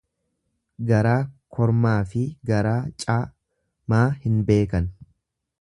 Garaa kormaafi garaa c maa hin beekan.